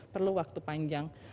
perlu waktu panjang